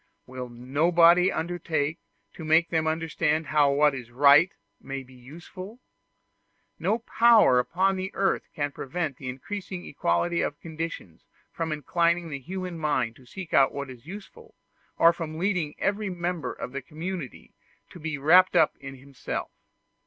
Will nobody undertake to make them understand how what is right may be useful? No power upon earth can prevent the increasing equality of conditions from inclining the human mind to seek out what is useful, or from leading every member of the community to be wrapped up in himself.